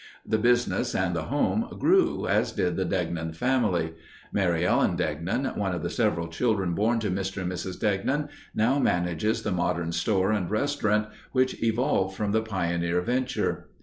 The business and the home grew as did the Degnan family. Mary Ellen Degnan, one of the several children born to Mr. and Mrs. Degnan, now manages the modern store and restaurant which evolved from the pioneer venture.